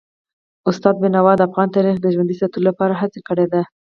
استاد بینوا د افغان تاریخ د ژوندي ساتلو لپاره هڅه کړي ده.